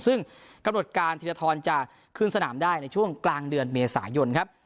ซึ่งกำหนดการธีรทรจะขึ้นสนามได้ในช่วงกลางเดือนเมษายนครับ